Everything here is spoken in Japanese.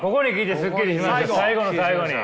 最後の最後に。